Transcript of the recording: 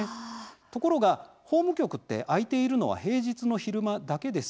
ところが法務局って開いているのは平日の昼間だけです。